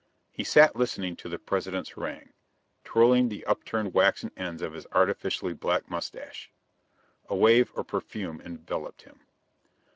He sat listening to the President's harangue, twirling the upturned waxen ends of his artificially black mustache. A wave of perfume enveloped him.